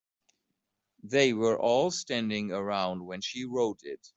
They were all standing around when she wrote it.